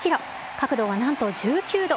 角度はなんと１９度。